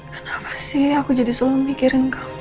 kenapa sih aku jadi suami mikirin kamu